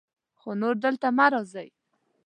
خو نور دلته مه راځئ.